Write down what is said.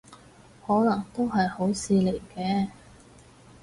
可能都係好事嚟嘅